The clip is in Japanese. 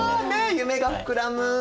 夢が膨らむ。